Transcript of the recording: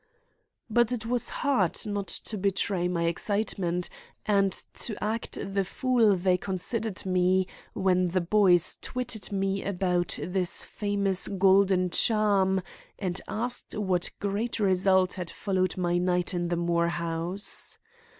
But it was hard not to betray my excitement and to act the fool they considered me when the boys twitted me about this famous golden charm and asked what great result had followed my night in the Moore house.